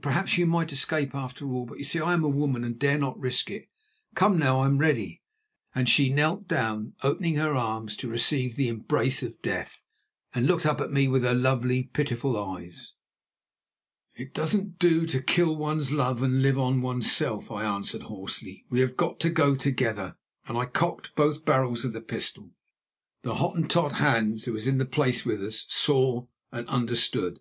Perhaps you might escape after all; but, you see, I am a woman, and dare not risk it. Come now, I am ready," and she knelt down, opening her arms to receive the embrace of death, and looked up at me with her lovely, pitiful eyes. "It doesn't do to kill one's love and live on oneself," I answered hoarsely. "We have got to go together," and I cocked both barrels of the pistol. The Hottentot, Hans, who was in the place with us, saw and understood.